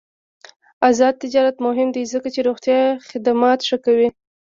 آزاد تجارت مهم دی ځکه چې روغتیا خدمات ښه کوي.